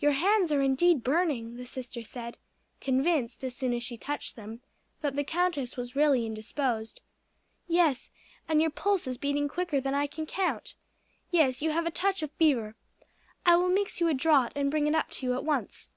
"Your hands are indeed burning," the sister said, convinced, as soon as she touched them, that the countess was really indisposed. "Yes; and your pulse is beating quicker than I can count. Yes, you have a touch of fever. I will mix you a draught and bring it up to you at once.